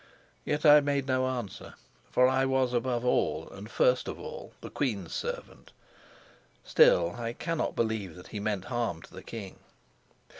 Yet I made no answer, for I was above all and first of all the queen's servant. Still I cannot believe that he meant harm to the king.